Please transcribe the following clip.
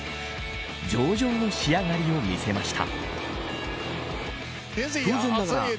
上々の仕上がりを見せました。